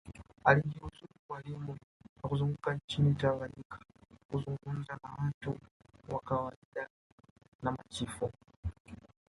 Alijiuzulu ualimu na kuzunguka nchini Tanganyika kuzungumza na watu wa kawaida na machifu